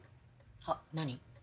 はっ何？